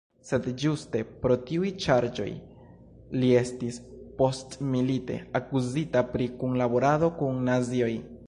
Sed ĝuste pro tiuj ŝarĝoj li estis, postmilite, akuzita pri kunlaborado kun nazioj.